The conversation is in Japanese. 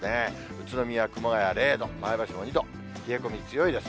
宇都宮、熊谷０度、前橋も２度、冷え込み強いです。